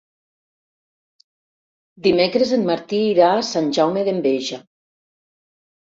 Dimecres en Martí irà a Sant Jaume d'Enveja.